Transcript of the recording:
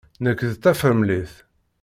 Nekk d tafremlit.